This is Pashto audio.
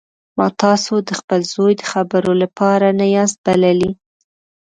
ما تاسو د خپل زوی د خبرو لپاره نه یاست بللي